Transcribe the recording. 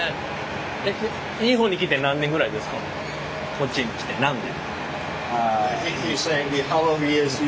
こっちに来て何年？